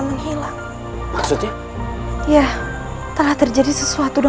hari ini aku pikir akan jadi kesabaran